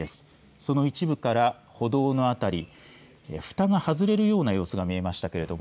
その一部から歩道の辺りふたが外れるような様子が見えましたけれども。